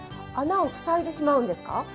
穴を塞いでしまうんですか？